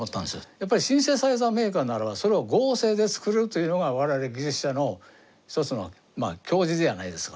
やっぱりシンセサイザーメーカーならばそれを合成で作るというのが我々技術者の一つの矜持ではないですか。